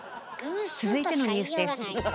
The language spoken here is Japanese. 続いてのニュースです。